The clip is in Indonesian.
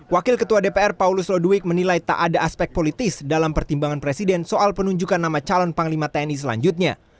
wakil ketua dpr paulus lodwig menilai tak ada aspek politis dalam pertimbangan presiden soal penunjukan nama calon panglima tni selanjutnya